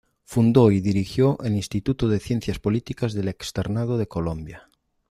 Fundó y dirigió el Instituto de Ciencias Políticas del Externado de Colombia.